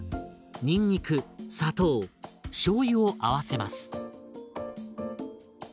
にんにく砂糖しょうゆを合わせます。